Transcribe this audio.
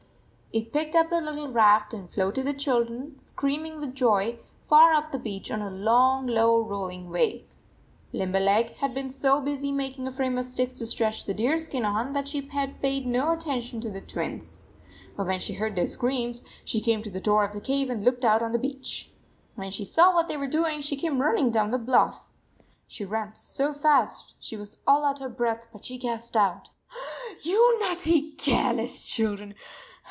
It picked up the little raft and floated the children, screaming with joy, far up the beach on a long, low, rolling wave. Limberleg had been so busy making a frame of sticks to stretch the deer skin on that she had paid no attention to the Twins. But when she heard their screams, she came to the door of the cave and looked out on the beach. When she saw what they were doing, she came running down the bluff. She ran so fast she was all out of breath, but she gasped out: "You naughty, care less children